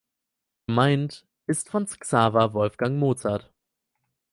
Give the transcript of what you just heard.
Gemeint ist Franz Xaver Wolfgang Mozart.